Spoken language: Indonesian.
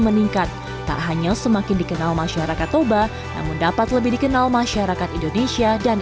meningkat tak hanya semakin dikenal masyarakat toba namun dapat lebih dikenal masyarakat indonesia dan